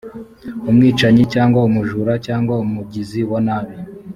umwicanyi cyangwa umujura cyangwa umugizi wa nabi